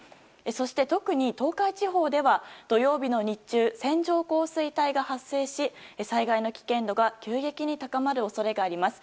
そして特に東海地方では土曜日の日中線状降水帯が発生し災害の危険度が急激に高まる恐れがあります。